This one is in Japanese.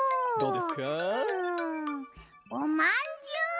うん。おまんじゅう！